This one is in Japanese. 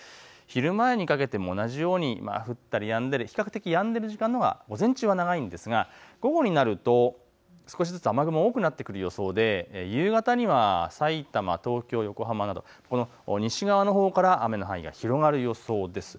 昼前にかけて降ったりやんだり、比較的やんでる時間が午前中は長いですが、午後になると少しずつ雨雲多くなってくる予想で夕方にはさいたま、東京、横浜など西側のほうから雨の範囲が広がる予想です。